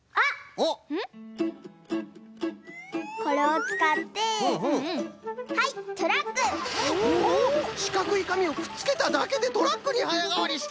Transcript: おっしかくいかみをくっつけただけでトラックにはやがわりした！